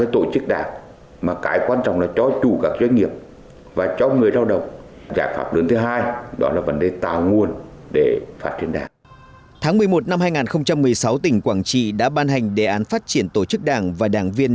tháng một mươi một năm hai nghìn một mươi sáu tỉnh quảng trị đã ban hành đề án phát triển tổ chức đảng và đảng viên